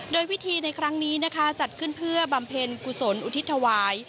โดยพิธีในครั้งนี้นะคะจัดขึ้นเพื่อบำเพ็ญกุศลอุทิศถวาย